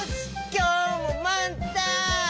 きょうもまんたん！